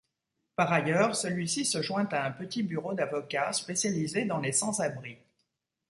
Par ailleurs, celui-ci se joint à un petit bureau d'avocats spécialisé dans les sans-abris.